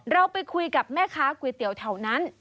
เราไปคุยกับแม่ค้าก๋วยเตี๋ยวแถวนั้น